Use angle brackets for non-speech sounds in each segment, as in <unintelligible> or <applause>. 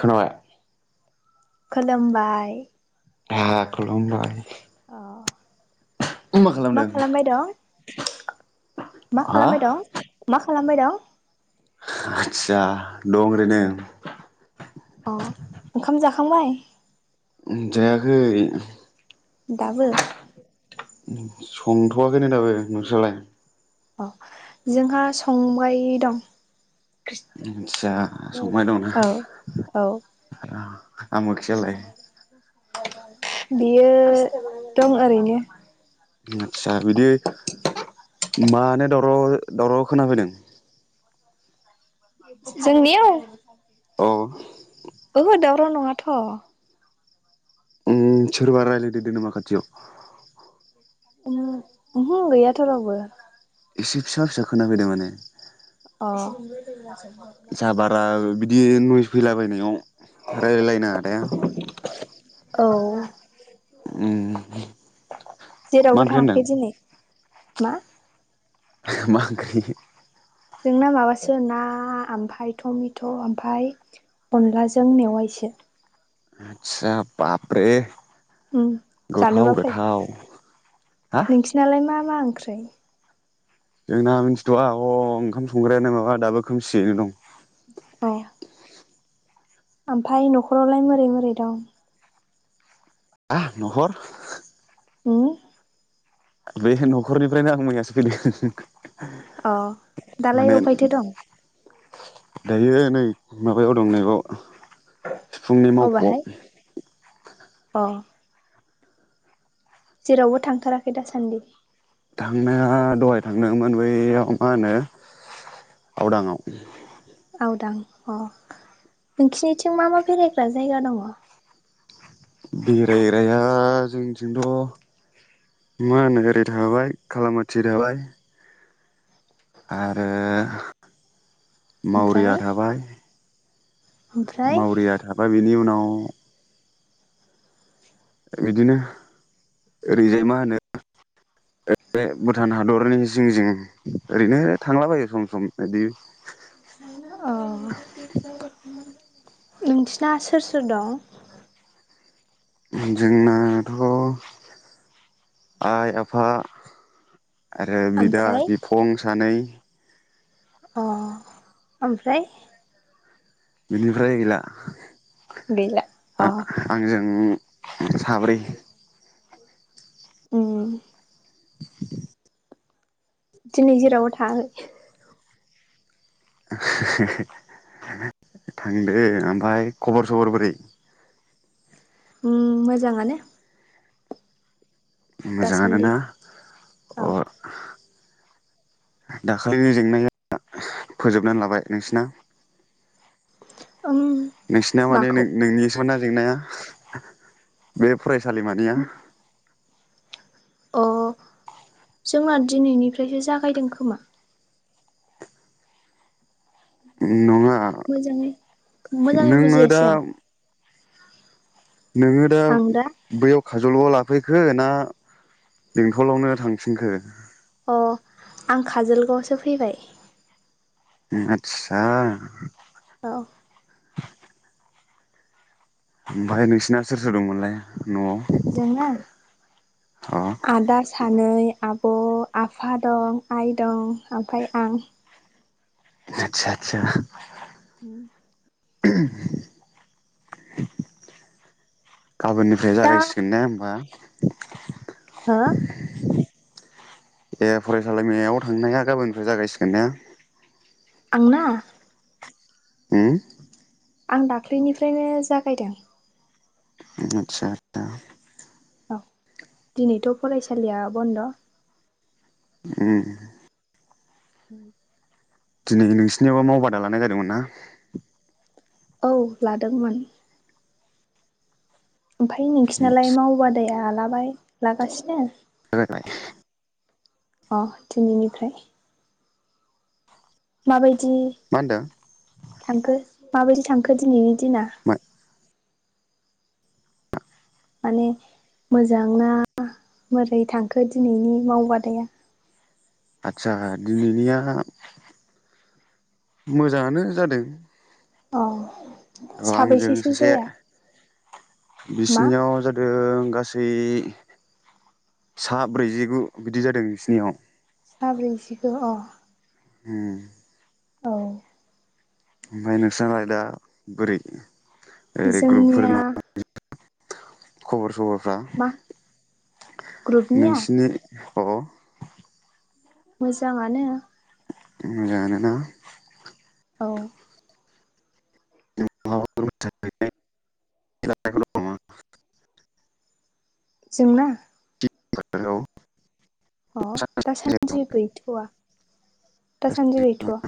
खोनाबाय खुलुमबाय। खुलुमबाय। औ। नों मा खालामदोंं। मा खालामबाय दं मा। खालामबाय दं। आस्सा दं ओरै नो। अ ओंखाम जाखांबाय। खांबाय। जायाखै। दाबो। संथवाखैनो दाबो नोंस्रालाय। अ जोंहा संबाय दं। मिथिया संनाय दंना। औ औ आमो खियालाय। बियो दं ओरैनो। आतसा बिदि मानो दावराव दावराव खोनाफैदों। जोंनिया। अ। ओहो दावराव नङाथ। उम सोरबा रायलायदेरदों नामा खाथियाव। ओहो गैयाथ रावबो। एसे फिसा फिसा खोना फैदों माने। अ। साबारा बिदि। बिदि नयस फैलाबायनायाव। रायलाय नाङा दे। औ उम मा जेरावबो ओंख्रि होनदों थाङाखै दिनै। मा। मा ओंख्रि। जोंना माबासो ना ओमफ्राय टमेट ओमफ्राय अनलाजों मेवायसो। आतसा बाबरे। उम गोथाव जानोबा फै गोथाव हा नोंसिनालाय मा मा ओंख्रै जोंना मिन्थिथवा अं ओंखाम संग्रायानो माबा दाबो खोमसियैनो दं अ ओमफाय नखरावलाय मोरै मोरै दं आ नखर होम बे नखरनिफ्रायनो आं मैयासो फैदों अ दालाय माने अफायथो दं? दायो नै माबायाव दं नैबाव सिफुंनि मावखआव अबाहाय अ जेरावबो थांथाराखै दासान्दि? थांनाया दहाय थांदोंमोन बैयाव मा होनो आवदाङाव। आवदां अ नोंखिनिथिं मा मा बेरायग्रा जायगा दङ? बेरायग्राया जोंनिथंथ' मा होनो ओरै थाबाय खालामाथि थाबाय आरो मावरिया ओमफ्राय थाबाय ओमफ्राय मावरिया थाबाय बिनि उनाव <unintelligible> बिदिनो ओरैजाय मा होनो बे भुटान हादरनि जिं जिं ओरैनो थांलाबायो सम सम इदि अ नोंसिना सोर सोर दं? जोंनाथ' आइ आफा आरो बिदा ओमफ्राय बिफं सानै अ ओमफ्राय बिनिफ्राय गैला। गैला अ आ-आंजों साब्रै उम दिनि जेरावबो थाङाखै थांदो ओमफाय खबर सबर बोरै मोजाङानो मोजाङानो दासान्दि ना? अ औ दाखालिनि जेंनाया फोजोबनानै लाबाय नोंसिना? उम नोंसिना माने माखौ नोंनि नोंनि <unintelligible> <unintelligible> बे फरायसालिमानिया अ जोंना दिनैनिफ्रायसो जागायदों खोमा नङा मोजाङै मोजाङै नोङो दा बुजियासै आं नोङो दा बैयाव खाजलआव लाफैखो ना बेंटलावनो थांफिनखो अ आं काजलगावसो फैबाय। आतसा औ ओमफ्राय नोंसिना सोर सोर दोंमोनलाय? जोहा अ आदा सानै आब आफा दं आइ दं ओमफ्राय आं आतसा आतसा उम <unintelligible> गाबोननिफ्राय दा जागायसिगोन ने होमबा <inaudible> हो ए फरायसालिमायाव थांनाया गाबोननिफ्राय जागायसिगोन ने आंना ओं आं दाख्लैनिफ्रायनो जागायदों आचसा आ औ दिनैथ फरायसालिया बन्द उम <inaudible> दिनै नोंसिनियावबो मावबादा लानाय जादोंमोन ना औ लादोंमोन ओमफ्राय नोंसिनालाय माव बादाया लाबाय लागासिनो <unintelligible> अ दिनैनिफ्राय माबाय बिदि मा होनदों थांखो माबायदि थांखो दिनैनि दिना माने मोजां ना मोरै थांखो दिनैनि मावबादाया आदसा दिनैनिया मोजाङानो जादों औ अ आंजों सासे मा बिसिनियाव जादों गासै बै सा ब्रैजिगु बिदि जादों बिसिनियाव सा ब्रैजिखौ अ ओम औ ओमफ्राय नोंस्रालाय दा बोरै ओरै जोंनिया ग्रुपफोरना खबर सबर फ्रा मा ग्रुपनिया नोंसिनि अ मोजांआनो मोजांआनोना औ <unintelligible> जोंना हेलौ। अ दा सानदि गैथआ। दा सानदि गैथआ।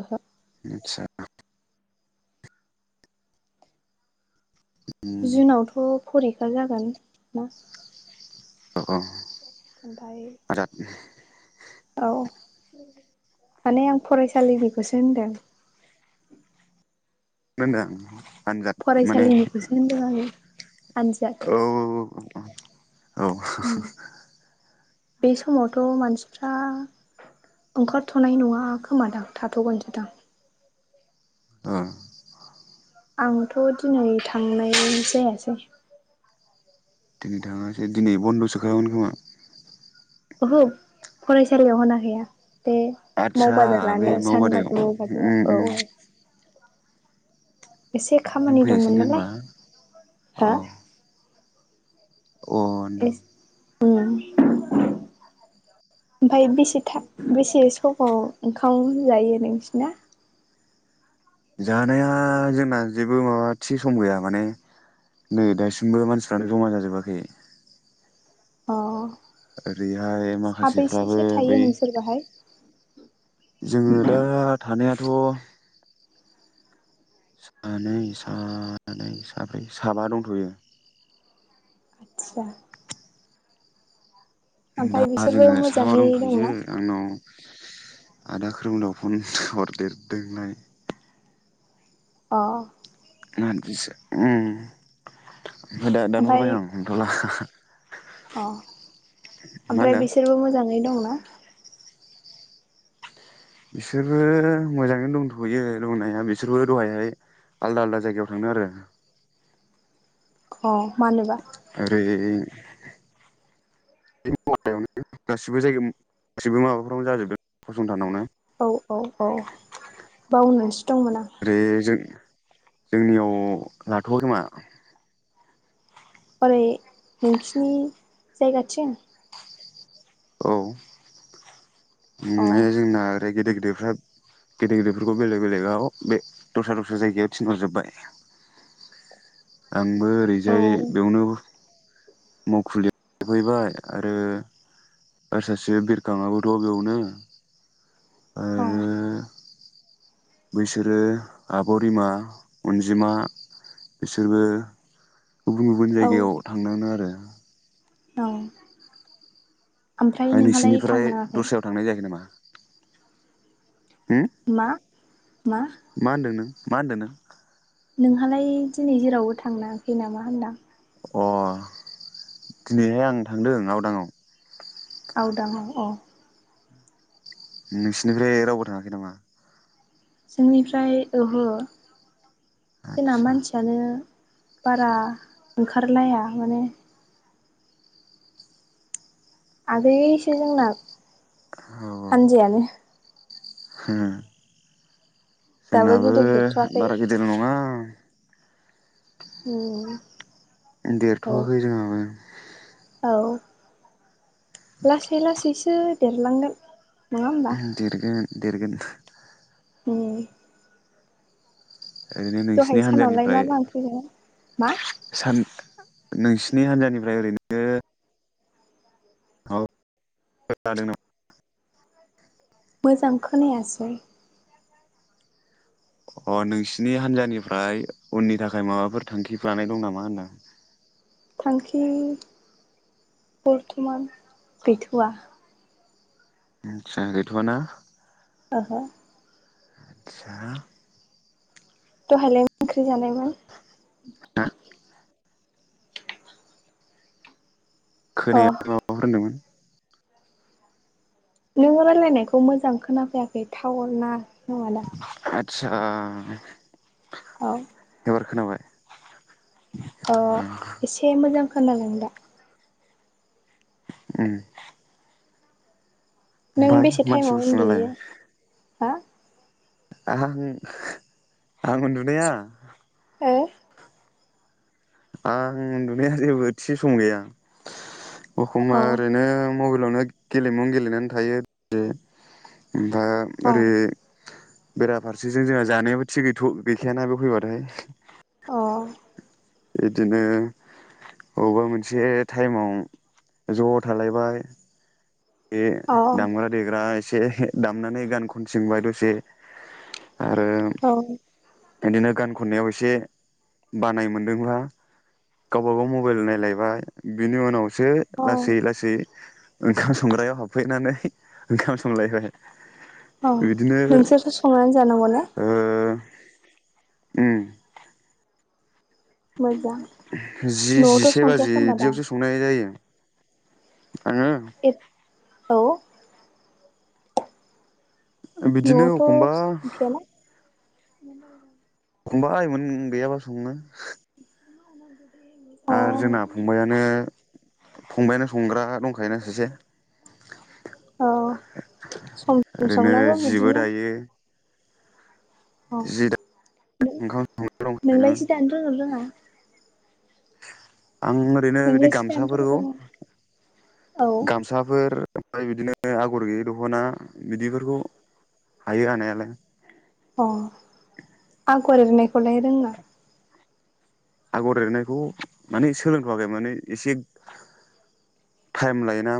ओहो। आतसा। जुनावथ फरिखा जागोन ना? अ अ ओमफाय औ माने आं फरायसालिनिखौसो होनदों। मा होनदों? आनजाद माने फरायसालिनिखौसो होनदों आङो आनजाद औ औ बे समावथ मानसिफ्रा ओंखार थनाय नङा खोमादां थाथ गोनसोदां। उम आंथ दिनै थांनाय जायासै। दिनै थाङासै दिनै बन्दसो खामोन खोमा। ओहो फरायसालियाव होनाखै आं। बे आदसा बे मावबादायाव उम उम <unintelligible> एसे नों खामानि दंमोन फैयासैनो नालाय होमबा अ हो। अ होनदां। अ ओमफाय बेसे थाब बेसे समाव ओंखाम जायो नोंसिना? जानाया जोंना जेबो माबा थि सम गैया माने नै दासिमबो मानसिफ्रानो जमा जाजोबाखै। अ आरो। साबैसेसो थायो नोंसोर बाहाय? जोङो दा थानायाथ थ सानै सानै साब्रै साबा दंथयो। सा दा जोङो साहा मोजाङै दंथयो दंना आंनाव आदा खोरौमदाव फन हरदेरदोंलनाय। अ <unintelligible> उम ओमफाय दा दानहरबाय ओमफ्राय आं हमथला। अ मा ओमफ्राय होनदों बिसोरबो मोजाङै दङ? ना बिसोरबो मोजाङैनो दंथ'यो दंनाया बिसोरबो दहायहाय आलदा आलदा जायगायाव थादों आरो। अ मानोबा? ओैरै <unintelligible> नो गासिबो जायगायाव गासिबो माबाफोरावनो जाजोबदों। औ फसंथानावनो औ औ औ बावनोसो दंमोन आं। ओरै जों जोंनियाव लाथ'वाखै खोमा ओरै नोंसिनि जायगाथिं? औ अ माने जोंना गेदेर गेदेरफ्रा गेदेर गेदेरफोरखौ बेलेग बेलेगाव बे दस्रा दस्रा जायगायाव थिनहरजोबबाय। आंबो औ ओरैजाय बेवनो मावखुलियाव थाफैबाय आरो आरो सासे बिरखाङाबोथ' बेयावनो अ आरो बैसोरो आब' रिमा, अनजिमा बिसोरबो गुबुन गुबुन औ जायगायाव थांनांदों आरो। ओमफ्राय औ ओमफ्राय आ नोंहालाय नोंसिनिफ्राय थांनाङाखै दस्रायाव थांनाय जायाखै नामा? होम मा? मा? मा होनदों नों मा होनदों नों? नोंहालाय दिनै जेरावबो थांनाङाखै नामा होनदां? अ दिनैहाय आं थांदों आवदांआव। आवदांआव औ नोंसिनिफ्राय रावबो थाङाखै नामा जोंनिफ्राय ओहो जोंना आदसा मानसियानो बारा ओंखारलाया माने आगैसो जोंना औ हानजायानो औ हो दाबो जोंनाबो गिदिर देरथ'वाखै बारा गिदिर नङा उम औ देरथ'वाखै जोंनाबो। औ लासै लासैसो देरलांगोन नङा होमबा ओम देरगोन देरगोथ' उम ओरैनो दहाय नोंसिनि सानावलाय मा हान्जानिफ्राय मा ओंख्रि जाया मा? सान नोंसिनि हान्जानिफ्राय ओरैनो <unintelligible> मोजां खोनायासै। अ नोंसिनि हान्जानिफ्राय उननि थाखाय माबाफोर थांखि लानाय दं नामा होनदों। थांखि बरथ'मान गैथ'आ। आच्छा गैथ'आना? ओहो। साह दहायलाय <unintelligible> ओंख्रि जानायमोन? अ खोनाया <unintelligible> माबाफोर होनदोंमोन? नोङो रायलायनायखौ मोजां खोनाफैयाखै थावर ना <unintelligible> दा चाह औ बार खोनाबाय। अ एसे मोजां खोनादों दा। उम नों बेसे मानसि टाइमाव गुसुङालाय उन्दुयो? हा आंं आं उन्दुनाया ओ आङ उन्दुनाया जेबो थि सम गैया। अखमबा ओ ओरैनो मबाइल फोरावनो गेलेमुं गेलेनानै थायो जे ओमफा अ ओरै बेराफारसेजों जोंहा जानायाबो थिग गैथ' गैखायाना बेयाव फैबाथाय। अ इदिनो अबा मोनसे थाइमाव ज' थालायबाय। बे अ दामग्रा देग्रा से दामनानै गान खनथिंबाय दसे। औ इदिनो गान खननायाव एसे बानाय मोनदोंब्ला गावबा गाव मबाइल नायलायबाय बिनि उनाव सो औ लासै लासै खाम संग्रायाव हाबफैनानै ओंखाम संलायबाय। औ बिदिनो नोंसोरसो संनानै जानांगौ ने? ओ उम। मोजां जि न'आवथ' जिसे संखाया बाजि खोमा दां इदियावसो संनाय जायो। आङो <unintelligible> औ बिदिनो नआवथ एखमबा संखाया ना? <inaudible> एखनबा गैयाबा सङो अ आरो जोंना फंबायानो फंबायानो सं <inaudible> औ सम सम ओरैनो संनांगौ जिबो बिदिनो दायो अ जि दा नो ओंखाम संग्रा दंखायो नोंलाय जि दानो रोंङो ना रोङा? आं ओरैनो बिदि नोंलाय जि दानो रोङो गामसाफोरखौ रोङा औ गामसाफोर <inaudible> अ आगर एरनाय खौलाय रोङा आगर एरनायखौ माने सोलोंथवाखै माने एसे टाइम लायोना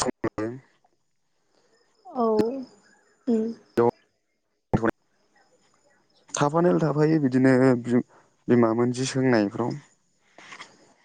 सम लायो औ उम <unintelligible> थाफानायालाय थाफायो बिदिनो बिमा मोन जि सोंनायफ्राव